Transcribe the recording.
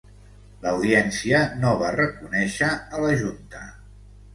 L'audiència no va reconèixer a la Junta.